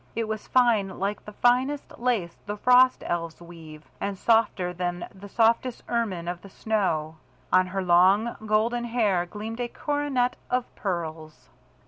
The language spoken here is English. It was fine like the finest lace the frost elves weave, and softer than the softest ermine of the snow. On her long golden hair gleamed a coronet of pearls.